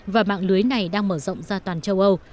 và mạng lưới này đang mở rộng ra toàn châu âu